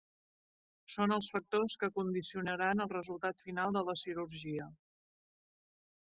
Són els factors que condicionaran el resultat final de la cirurgia.